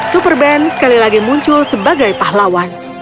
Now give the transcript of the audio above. super band sekali lagi muncul sebagai pahlawan